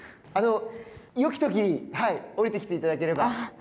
よきときに降りてきていただければ。